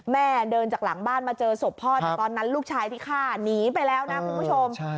เดินจากหลังบ้านมาเจอศพพ่อแต่ตอนนั้นลูกชายที่ฆ่าหนีไปแล้วนะคุณผู้ชม